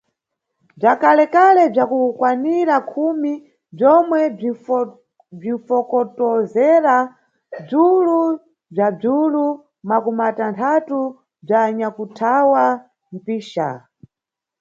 Bzwakalekale bzwa kukwanira khumi bzwomwe bzwinfokotozera bzwulu bzwa bzwulu makumatanthatu bzwa anyakuthawa mphicha.